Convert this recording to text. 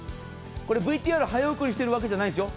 ＶＴＲを早送りしているわけじゃないんですよ。